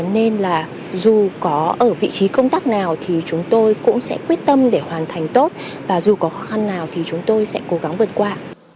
nên là dù có ở vị trí công tác nào thì chúng tôi cũng sẽ quyết tâm để hoàn thành tốt và dù có khó khăn nào thì chúng tôi sẽ cố gắng vượt qua